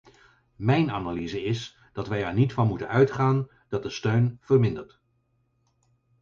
Mijn analyse is dat wij er niet van moeten uitgaan dat de steun vermindert.